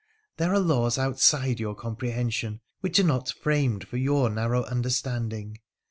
' There are laws outside your comprehension which are not framed for your narrow understanding.